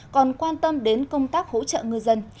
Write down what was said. còn quan tâm đến công tác hỗ trợ ngư dân